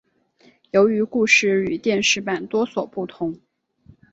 由于故事与电视版多所不同。